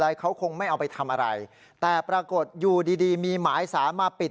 ใช่คือไม่ได้สนใจแล้วเอกสารที่เขาเอาไป